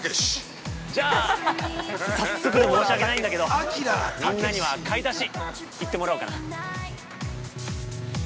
じゃあ早速で申しわけないんだけど、みんなには買い出し行ってもらおうかな。